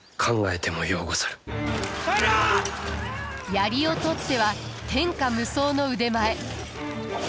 槍をとっては天下無双の腕前。